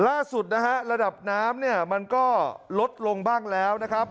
ล่าสุดระดับน้ำมันก็ลดลงบ้างแล้วนะครับ